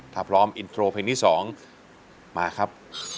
ถ้าพร้อมอินโทรเพลงที่๒มาครับ